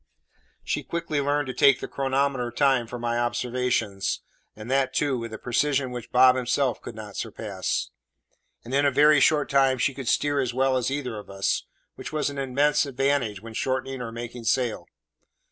She quickly learned to take the chronometer time for my observations, and that, too, with a precision which Bob himself could not surpass; and in a very short time she could steer as well as either of us, which was an immense advantage when shortening or making sail.